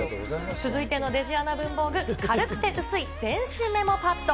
続いてのデジアナ文房具、軽くて薄い電子メモパッド。